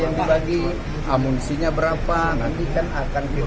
yang dibagi amunisinya berapa nanti kan akan